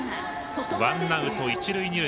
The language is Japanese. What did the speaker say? ワンアウト、一塁二塁。